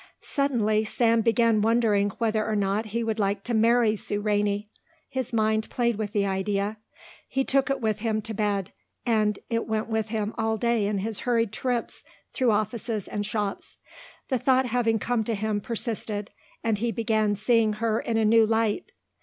Suddenly Sam began wondering whether or not he would like to marry Sue Rainey. His mind played with the idea. He took it with him to bed, and it went with him all day in his hurried trips through offices and shops. The thought having come to him persisted, and he began seeing her in a new light.